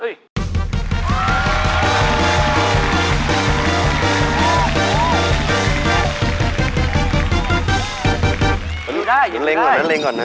หยิบได้หยิบได้หยิบได้นะก็ได้มันเล็งก่อนนะ